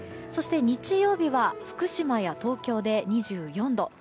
そして日曜日は福島や東京で２４度。